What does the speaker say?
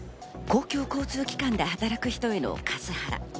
公共交通機関で働く人へのカスハラ。